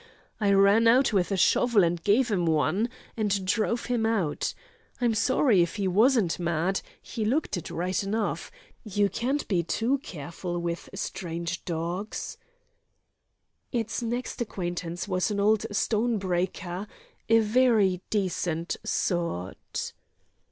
I ran out with a shovel and gave 'im one, and drove him out. I'm sorry if he wasn't mad, he looked it right enough; you can't be too careful with strange dogs.' Its next acquaintance was an old stone breaker, a very decent sort.